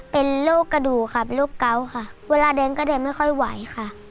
เป็นโรคกระดูกค่ะเป็นโรคเกาค่ะเวลาเดินก็เดินไม่ค่อยไหวค่ะ